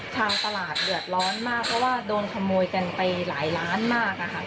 ทางตลาดเดือดร้อนมากเพราะว่าโดนขโมยกันไปหลายล้านมากอะค่ะ